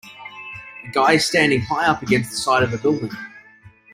A guy is standing high up against the side of a building.